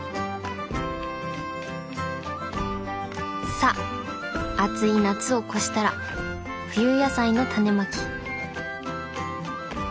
さあ暑い夏を越したら冬野菜のタネまき。